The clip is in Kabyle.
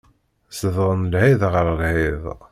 Zedɣen lhiḍ ɣer lhiḍ.